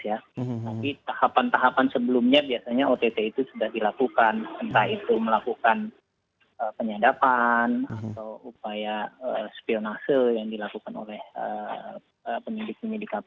tapi tahapan tahapan sebelumnya biasanya ott itu sudah dilakukan entah itu melakukan penyadapan atau upaya spionase yang dilakukan oleh penyidik penyidik kpk